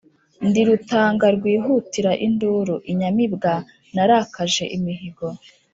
Ndi Rutanga rwihutira induru, inyamibwa narakaje imihigo